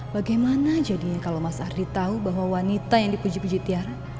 bagaimana jadinya kalau mas ardi tahu bahwa wanita yang dipuji puji tiara